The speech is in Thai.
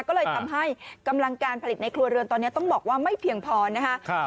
ก็เลยทำให้กำลังการผลิตในครัวเรือนตอนนี้ต้องบอกว่าไม่เพียงพอนะคะ